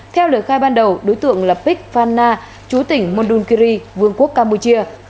theo lời khai ban đầu đối tượng là pich phan na chú tỉnh muldunkiri vương quốc campuchia